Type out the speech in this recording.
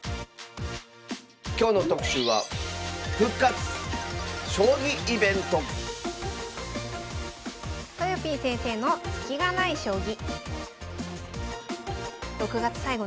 今日の特集はとよぴー先生の「スキがない将棋」。